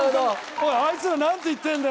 「おいあいつらなんて言ってるんだよ？」